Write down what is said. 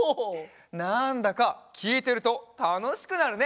なんだかきいてるとたのしくなるね。